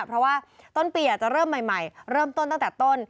เพราะว่าต้นปีจะเริ่มใหม่เริ่มต้นตั้งแต่ต้น